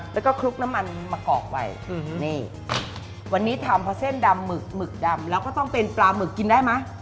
แล้วก็คลุกน้ำมันมะกอกไปอืมนี่วันนี้ทำเพราะเส้นดำหมึกหมึกดำแล้วก็ต้องเป็นปลาหมึกกินได้ไหม